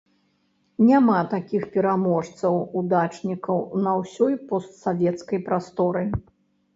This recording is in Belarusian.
Няма такіх пераможцаў, удачнікаў на ўсёй постсавецкай прасторы.